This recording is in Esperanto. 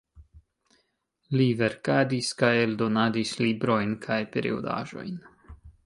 Li verkadis kaj eldonadis librojn kaj periodaĵojn.